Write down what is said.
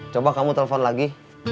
coba kamu telepon lagi